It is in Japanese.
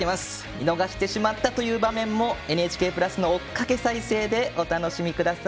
見逃してしまったという場面でもＮＨＫプラスの追っかけ再生でお楽しみください。